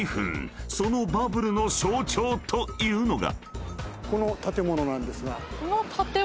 ［そのバブルの象徴というのが］